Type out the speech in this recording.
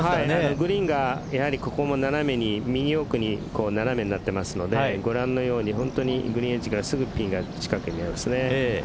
グリーンが斜めに、右奥に斜めになってますのでご覧のようにグリーンエッジからすぐ近くにピンがありますね。